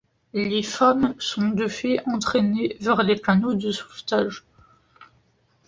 Les femmes sont de fait entraînées vers les canots de sauvetage.